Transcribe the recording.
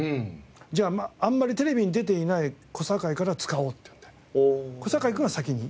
「じゃああんまりテレビに出ていない小堺から使おう」っていうので小堺君が先に。